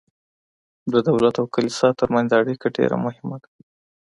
د دولت او کلیسا ترمنځ اړیکه ډیره مهمه ده.